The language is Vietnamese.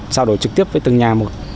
trao đổi trực tiếp với từng nhà một